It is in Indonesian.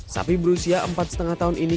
sapi berusia empat lima tahun ini